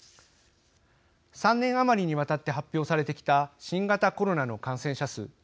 ３年余りにわたって発表されてきた新型コロナの感染者数。